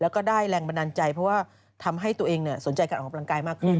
แล้วก็ได้แรงบันดาลใจเพราะว่าทำให้ตัวเองสนใจการออกกำลังกายมากขึ้น